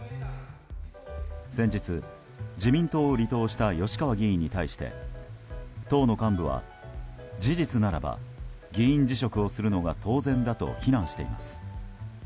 先日、自民党を離党した吉川議員に対して党の幹部は事実ならば議員辞職をするのが当然だと非難しています。